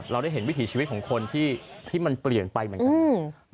เราได้เห็นวิถีชีวิตของคนที่มันเปลี่ยนไปเหมือนกัน